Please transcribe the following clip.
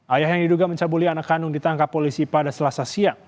ayah yang diduga mencabuli anak kandung ditangkap polisi pada selasa siang